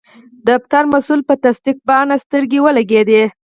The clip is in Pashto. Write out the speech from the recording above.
د فتر مسول په تصدیق پاڼه سترګې ولګیدې.